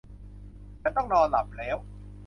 ฉันต้องนอนหลับแล้ว